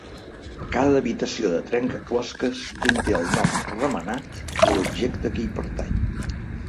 Cada habitació de trencaclosques conté el nom Remenat de l'objecte que hi pertany.